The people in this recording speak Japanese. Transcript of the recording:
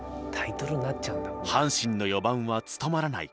阪神の４番は務まらない。